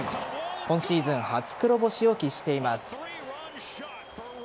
今シーズン初黒星を喫しています。